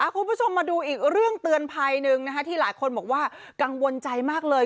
คุณผู้ชมมาดูอีกเรื่องเตือนภัยหนึ่งที่หลายคนบอกว่ากังวลใจมากเลย